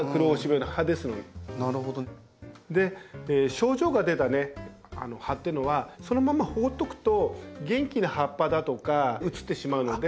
症状が出た葉っていうのはそのまま放っておくと元気な葉っぱだとか移ってしまうので。